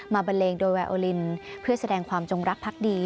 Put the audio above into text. บันเลงโดยแวโอลินเพื่อแสดงความจงรักพักดี